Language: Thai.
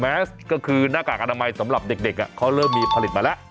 สก็คือหน้ากากอนามัยสำหรับเด็กเขาเริ่มมีผลิตมาแล้ว